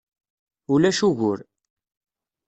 Ulac ugur.